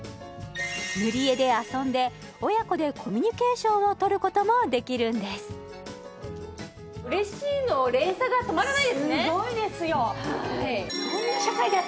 ぬり絵で遊んで親子でコミュニケーションをとることもできるんですすごいですよ